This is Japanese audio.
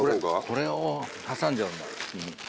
これを挟んじゃうんだ。